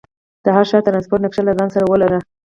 د هر ښار د ټرانسپورټ نقشه له ځان سره ولره.